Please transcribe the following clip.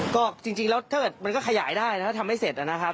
ก็จริงแล้วถ้าเกิดมันก็ขยายได้ถ้าทำไม่เสร็จนะครับ